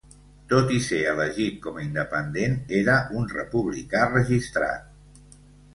Tot i ser elegit com a independent, era un republicà registrat.